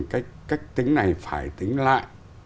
cách tính này phải tính lại